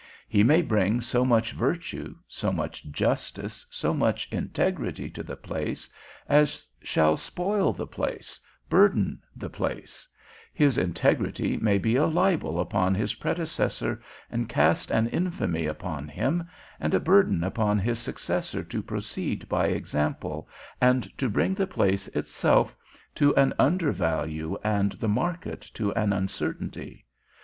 He may bring so much virtue, so much justice, so much integrity to the place, as shall spoil the place, burthen the place; his integrity may be a libel upon his predecessor and cast an infamy upon him, and a burthen upon his successor to proceed by example, and to bring the place itself to an undervalue and the market to an uncertainty.